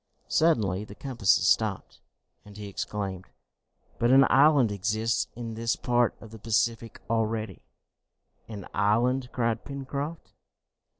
Suddenly the compasses stopped, and he exclaimed, "But an island exists in this part of the Pacific already!" "An island?" cried Pencroft.